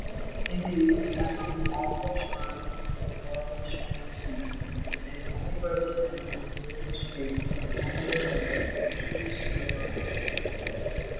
Indeed, from that moment all correspondence between Karl and his family ceased, and he only wrote to them, when he knew his fate, one more letter, which we shall see later on.